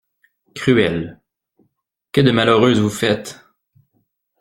Cruel, que de malheureuses vous faites!